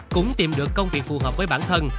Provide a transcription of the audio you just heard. cũng tìm được công việc phù hợp với bản thân